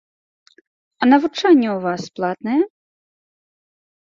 А навучанне ў вас платнае?